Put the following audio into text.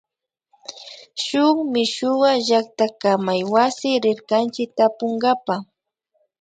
Shuk mishuwa llaktakamaywasi rirkanchik tapunkapa